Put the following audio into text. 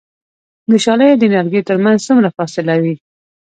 د شالیو د نیالګیو ترمنځ څومره فاصله وي؟